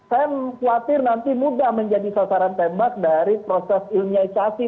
saya khawatir nanti mudah menjadi sasaran tembak dari proses ilmiahisasi